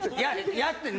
やって。